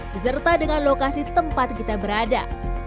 beserta dengan lokasi tempat kita berada